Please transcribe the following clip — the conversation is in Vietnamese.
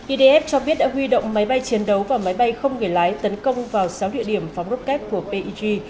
idf cho biết đã huy động máy bay chiến đấu và máy bay không người lái tấn công vào sáu địa điểm phóng rocket của peg